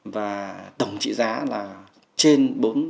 và tổng trị giá là trên bốn hai